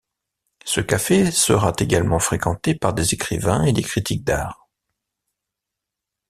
Ce café sera également fréquenté par des écrivains et des critiques d'art.